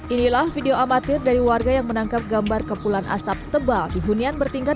inilah video amatir dari warga yang menangkap gambar kepulan asap tebal di hunian bertingkat